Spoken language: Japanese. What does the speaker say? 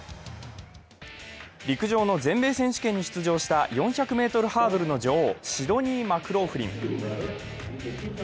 陸上の全米選手権に出場した４００ｍハードルの女王、シドニー・マクローフリン。